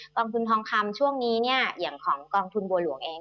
กองทุนทองคำช่วงนี้เนี่ยอย่างของกองทุนบัวหลวงเอง